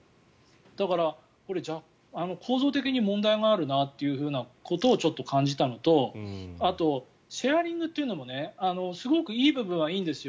だから、構造的に問題があるなということをちょっと感じたのとあと、シェアリングっていうのもすごくいい部分はいいんですよ。